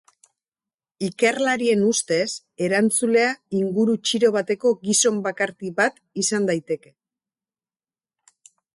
Ikerlarien ustez, erantzulea inguru txiro bateko gizon bakarti bat izan daiteke.